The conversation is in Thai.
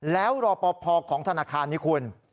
แล้วรอปภของธนาคารนี้คุณ